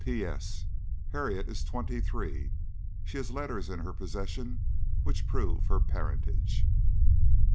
P. S. Harriet is twenty three. She has letters in her possession which prove her parentage.